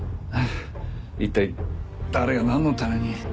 一体誰がなんのために？